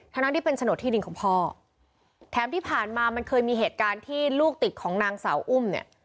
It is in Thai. ทั้งที่เป็นโฉนดที่ดินของพ่อแถมที่ผ่านมามันเคยมีเหตุการณ์ที่ลูกติดของนางสาวอุ้มเนี่ย